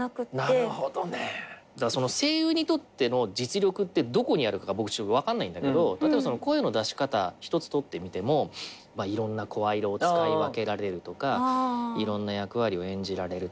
声優にとっての実力ってどこにあるかが僕ちょっと分かんないんだけど例えば声の出し方一つとってみてもいろんな声色を使い分けられるとかいろんな役割を演じられるとか。